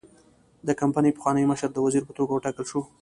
د کمپنۍ پخوانی مشر د وزیر په توګه وټاکل شو.